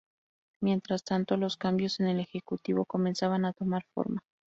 Mientras tanto, los cambios en el ejecutivo comenzaban a tomar forma.